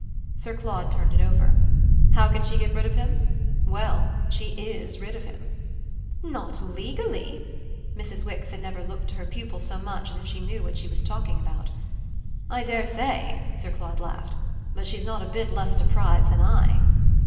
Sir Claude turned it over. "How can she get rid of him? Well she IS rid of him." "Not legally." Mrs. Wix had never looked to her pupil so much as if she knew what she was talking about. "I dare say," Sir Claude laughed; "but she's not a bit less deprived than I!"